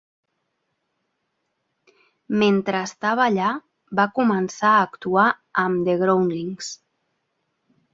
Mentre estava allà, va començar a actuar amb The Groundlings.